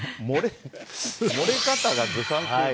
漏れ方がずさんというか。